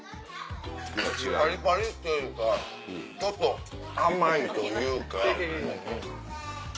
パリパリというかちょっと甘いというか。